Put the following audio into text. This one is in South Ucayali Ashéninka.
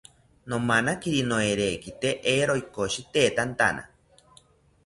Nomanakiri noerekite eero ikoshitetantana